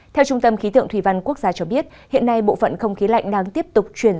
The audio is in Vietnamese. theo trung tâm khí tượng thủy văn quốc gia cho biết hiện nay bộ phận không khí lạnh đang tiếp tục chuyển